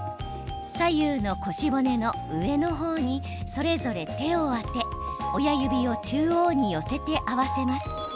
左右の腰骨の上の方にそれぞれ手を当て親指を中央に寄せて合わせます。